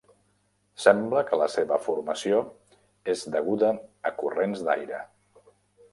Sembla que la seva formació és deguda a corrents d'aire.